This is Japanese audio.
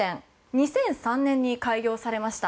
２００３年に開業されました。